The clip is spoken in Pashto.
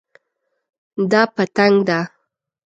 دا پتنګ ده